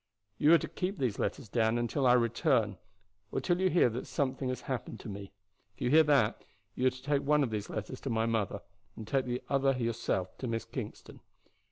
"You are to keep these letters, Dan, until I return, or till you hear that something has happened to me. If you hear that, you are to take one of these letters to my mother, and take the other yourself to Miss Kingston.